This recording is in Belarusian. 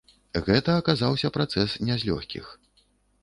Гэта аказаўся працэс не з лёгкіх.